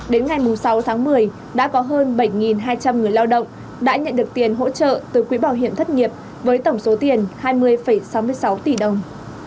đến ngày sáu tháng một mươi đã có hơn bảy hai trăm linh người lao động đã nhận được tiền hỗ trợ từ quỹ bảo hiểm thất nghiệp với tổng số tiền hai mươi sáu mươi sáu tỷ đồng